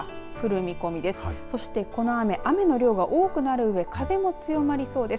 そして、この雨雨の量が多くなるうえ風も強まりそうです。